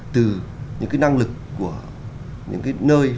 từ những cái năng lực của những cái nơi